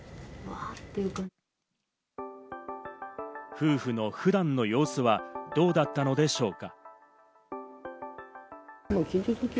夫婦の普段の様子は、どうだったのでしょうか？